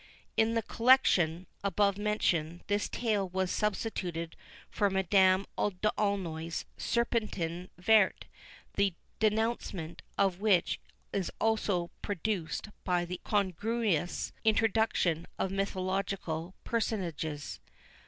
In the "Collection" above mentioned, this tale was substituted for Madame d'Aulnoy's Serpentin Vert, the dénouement of which is also produced by the incongruous introduction of mythological personages.